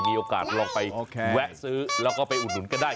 มีโอกาสลองไปแวะซื้อแล้วก็ไปอุดหนุนกันได้